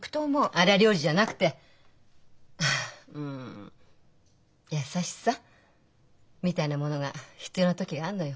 荒療治じゃなくてうん優しさみたいなものが必要な時があんのよ。